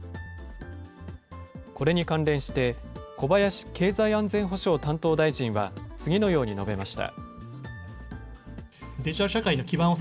これに関連して小林経済安全保障担当大臣は、次のように述べました。